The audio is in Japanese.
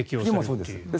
そうです。